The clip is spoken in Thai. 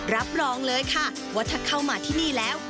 รับรองเลยค่ะว่าถ้าเข้ามาที่นี่แล้ว